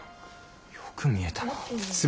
よく見えたな。